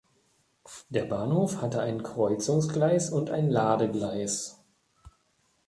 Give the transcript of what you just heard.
Der Bahnhof hatte ein Kreuzungsgleis und ein Ladegleis.